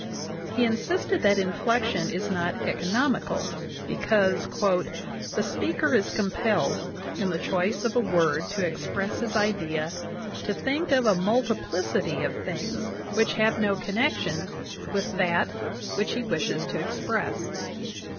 He insisted that inflection is not economical, because "the speaker is compelled, in the choice of a word to express his idea, to think of a multiplicity of things which have no con 64 JOHN WESLEY POWELL DAVIS nection with that which he wishes to express" (16).